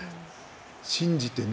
信じてね。